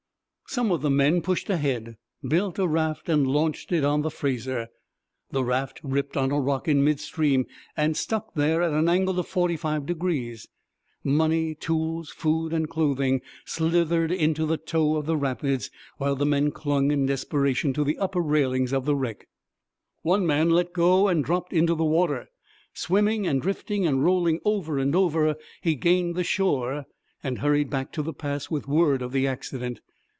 Some of the men pushed ahead, built a raft, and launched it on the Fraser. The raft ripped on a rock in midstream and stuck there at an angle of forty five degrees. Money, tools, food, and clothing slithered into the tow of the rapids, while the men clung in desperation to the upper railing of the wreck. One man let go and dropped into the water. Swimming and drifting and rolling over and over, he gained the shore, and hurried back to the pass with word of the accident.